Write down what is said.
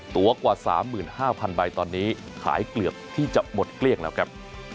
กว่า๓๕๐๐๐ใบตอนนี้ขายเกือบที่จะหมดเกลี้ยงแล้วครับ